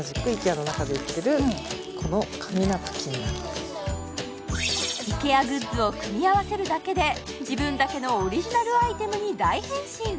同じくイケアグッズを組み合わせるだけで自分だけのオリジナルアイテムに大変身